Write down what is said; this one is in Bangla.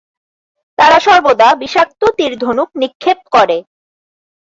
তারা সর্বদা বিষাক্ত তীর-ধনুক নিক্ষেপ করে।